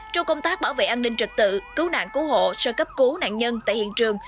trong công tác bảo vệ an ninh trật tự cứu nạn cứu hộ sơ cấp cứu nạn nhân tại hiện trường